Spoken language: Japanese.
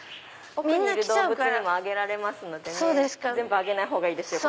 奥にいる動物にもあげられますので全部あげないほうがいいですよ